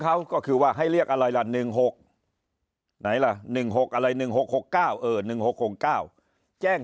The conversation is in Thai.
เขาก็คือว่าให้เรียกอะไรล่ะ๑๖ไหนล่ะ๑๖อะไร๑๖๖๙๑๖๖๙แจ้ง